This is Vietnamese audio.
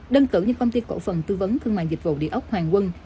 đơn cử như công ty cổ phần tư vấn thương mại dịch vụ địa ốc hoàng quân